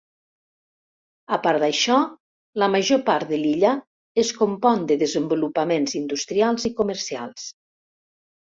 A part d'això, la major part de l'illa es compon de desenvolupaments industrials i comercials.